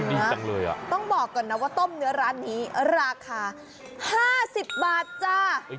ดีจังเลยอ่ะต้องบอกก่อนนะว่าต้มเนื้อร้านนี้ราคา๕๐บาทจ้า